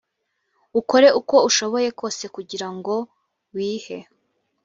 ukore uko ushoboye kose kugira ngo wihe